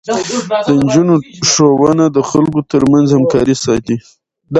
د نجونو ښوونه د خلکو ترمنځ همکاري ساتي.